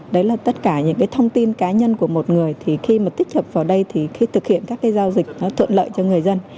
đấy là tất cả những thông tin cá nhân của một người khi tích hợp vào đây khi thực hiện các giao dịch nó thuận lợi cho người dân